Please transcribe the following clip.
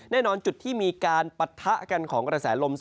แน่นอนจุดที่มีการปัสเถอะกันของกรษาลม๒